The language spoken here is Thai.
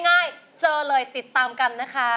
ง่ายเจอเลยติดตามกันนะคะ